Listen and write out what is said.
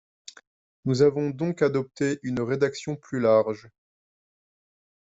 Nous avons donc adopté une rédaction plus large.